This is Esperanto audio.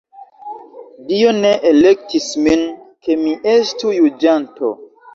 Dio ne elektis min, ke mi estu juĝanto.